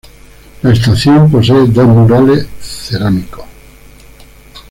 La estación posee dos murales cerámicos.